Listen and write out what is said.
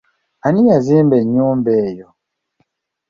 Ani yazimba ennyumba eyo?